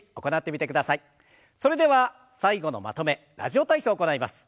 それでは最後のまとめ「ラジオ体操」を行います。